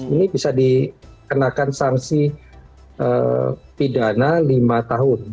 ini bisa dikenakan sanksi pidana lima tahun